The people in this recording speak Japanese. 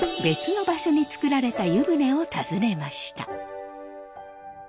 別の場所に作られた湯船を訪ねました。